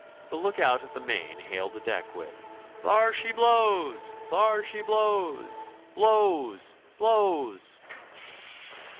the lookout at the main hailed the deck with: "Thar sh' b l o w s! Thar sh' b l o w s! Blows! B l o w s!"